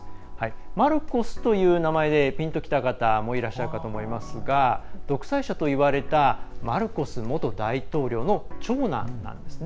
マルコスという名前でぴんときた方もいらっしゃると思いますが独裁者といわれたマルコス元大統領の長男なんですね。